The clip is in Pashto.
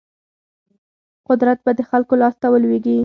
قدرت به د خلکو لاس ته ولویږي.